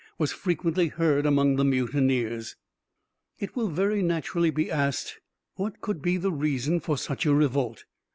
was frequently heard among the mutineers. It will very naturally be asked, What could be the reason for such a revolt?